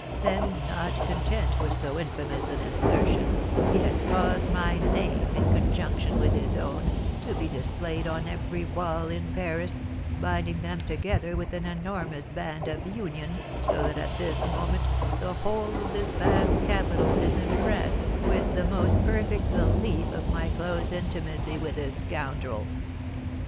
Then, not content with so infamous an assertion, he has caused my name, in conjunction with his own, to be displayed on every wall in Paris, binding them together with an enormous band of union, so that at this moment the whole of this vast capital is impressed with the most perfect belief of my close intimacy with this scoundrel.